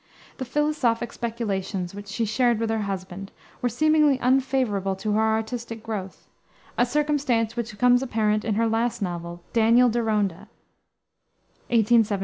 The philosophic speculations, which she shared with her husband, were seemingly unfavorable to her artistic growth, a circumstance which comes apparent in her last novel, Daniel Deronda, 1877.